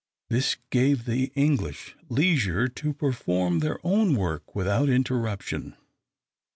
This gave the English leisure to perform their own work without interruption.